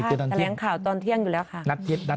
จะต้องให้สัมภาษณ์ตอนเที่ยงอยู่แล้วค่ะ